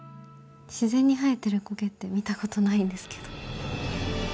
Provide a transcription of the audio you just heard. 自然に生えてる苔って見たことないんですけど。